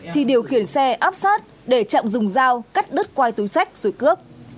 thì điều khiển xe áp sát để trọng dùng dao cắt đứt quai túi sách rồi cướp